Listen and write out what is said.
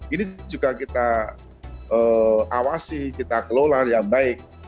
ini juga kita awasi kita kelola dengan baik